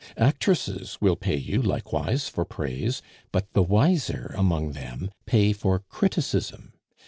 "Actresses will pay you likewise for praise, but the wiser among them pay for criticism.